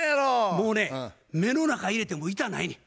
もうね目の中入れても痛ないねん。